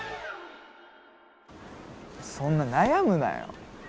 そんな悩むなよ。